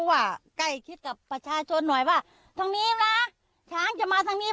ว่าใกล้ชิดกับประชาชนหน่อยว่าทางนี้นะช้างจะมาทางนี้